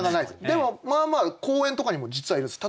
でもまあまあ公園とかにも実はいるんです。